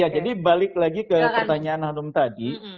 jadi balik lagi ke pertanyaan hanum tadi